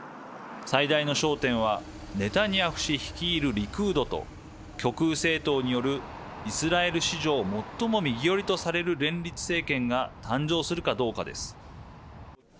最大の焦点はネタニヤフ氏率いるリクードと極右政党によるイスラエル史上最も右寄りとされる連立政権が誕生するかどうかです。